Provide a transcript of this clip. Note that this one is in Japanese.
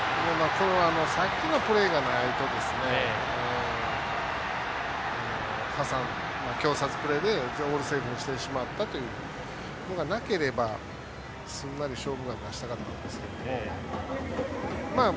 さっきのプレーがないと挟殺プレーでオールセーフにしてしまったというのがなければすんなり「勝負眼」出したかったんですけど。